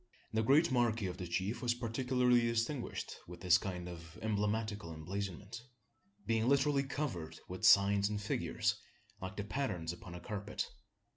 The great marquee of the chief was particularly distinguished with this kind of emblematical emblazonment being literally covered with signs and figures, like the patterns upon a carpet.